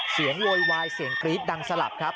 โวยวายเสียงกรี๊ดดังสลับครับ